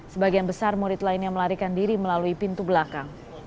sebagian besar murid lainnya melarikan diri melalui pintu belakang